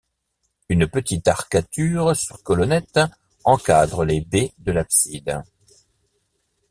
Une petite arcature sur colonnettes encadre les baies de l'abside.